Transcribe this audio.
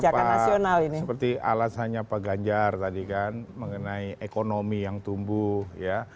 karena seperti alasannya pak ganjar tadi kan mengenai ekonomi yang tumbuh ya